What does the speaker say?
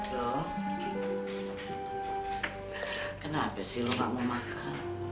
loh kenapa sih lu gak mau makan